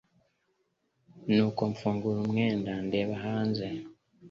nuko mfungura umwenda ndeba hanze